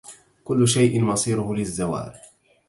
كل شيءٍ مصيره للزوال